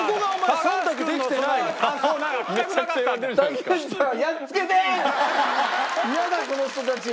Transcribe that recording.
イヤだこの人たち。